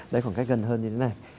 đấy khoảng cách gần hơn như thế này